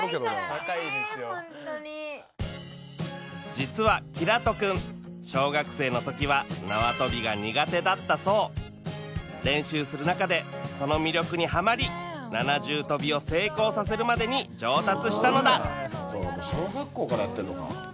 実は煌人くん小学生のときはなわとびが苦手だったそう練習する中でその魅力にハマり７重跳びを成功させるまでに上達したのだそうか小学校からやってんのか。